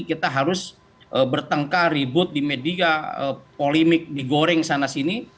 kita harus bertengkar ribut di media polemik digoreng sana sini